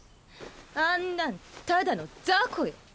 あんなんただのザコよ。